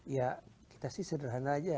ya kita sih sederhana aja